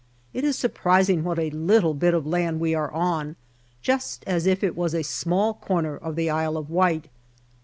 It is surprising what a little bit of land we are on, just as if it was a small corner of the Isle of Wight.